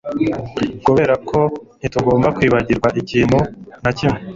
Kuberako ntitugomba kwibagirwa ikintu na kimwe